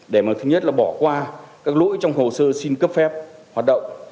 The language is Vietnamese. để mà thứ nhất là bỏ qua các lỗi trong hồ sơ xin cấp phép hoạt động